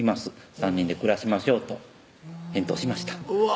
「３人で暮らしましょう」と返答しましたうわ